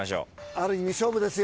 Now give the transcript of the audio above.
ある意味勝負ですよ。